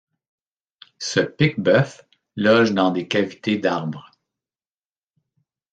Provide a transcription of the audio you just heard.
Ce pique-bœuf loge dans des cavités d'arbre.